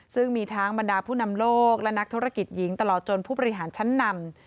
ซึ่งมีทั้งบรรดาผู้นำโลกและนักธุรกิจหญิงตลอดจนผู้บริหารชั้นนำ